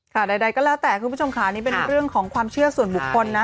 ใดก็แล้วแต่คุณผู้ชมค่ะนี่เป็นเรื่องของความเชื่อส่วนบุคคลนะ